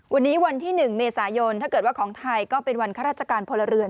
วันนี้วันที่๑เมษายนถ้าเกิดว่าของไทยก็เป็นวันข้าราชการพลเรือน